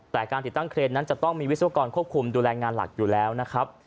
แต่การติดตั้งเครนนั้นจะต้องมีวิศวกรควบคุมดูแลงานหลักอยู่แล้วนะครับ